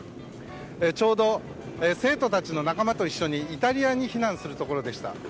ちょうど、生徒たちの仲間と一緒にイタリアに避難するところでした。